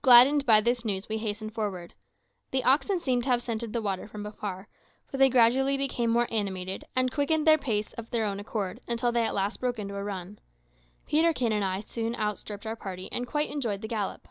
Gladdened by this news we hastened forward. The oxen seemed to have scented the water from afar, for they gradually became more animated, and quickened their pace of their own accord, until they at last broke into a run. Peterkin and I soon outstripped our party, and quite enjoyed the gallop.